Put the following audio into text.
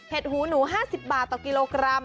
หูหนู๕๐บาทต่อกิโลกรัม